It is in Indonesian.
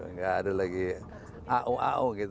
nggak ada lagi au au gitu